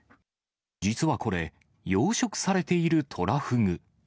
実はこれ、養殖されているトラフグ。